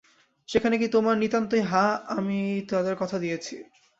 সেখানে কি তোমার নিতান্তই– হাঁ, আমি তাদের কথা দিয়াছি।